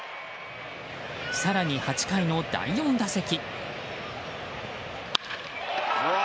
更に８回の第４打席。